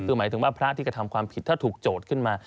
คือหมายถึงว่าพระที่กระทำความผิดถ้าถูกโจทย์ขึ้นมา